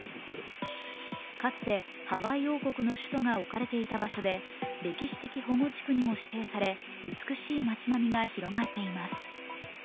かつて、ハワイ王国の首都が置かれていた場所で歴史的保護地区にも指定され美しい街並みが広がっています。